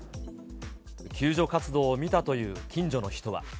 救助活動を見たという近所の人は。